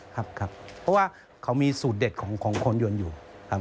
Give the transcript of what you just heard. ครับครับเพราะว่าเขามีสูตรเด็ดของคนยวนอยู่ครับ